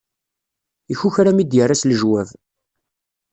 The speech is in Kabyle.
Ikukra mi d-yerra s lejwab.